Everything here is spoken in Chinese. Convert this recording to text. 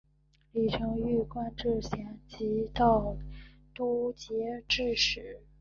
李澄玉官至咸吉道都节制使。